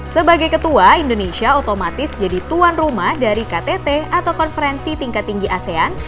sebagai ketua indonesia otomatis jadi tuan rumah dari ktt atau konferensi tingkat tinggi asean